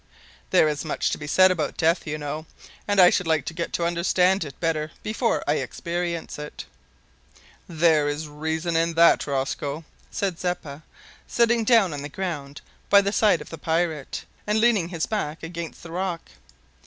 There is much to be said about death, you know, and I should like to get to understand it better before I experience it." "There is reason in that, Rosco," said Zeppa, sitting down on the ground by the side of the pirate, and leaning his back against the rock.